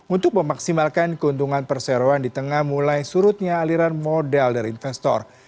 untuk memaksimalkan keuntungan perseroan di tengah mulai surutnya aliran modal dari investor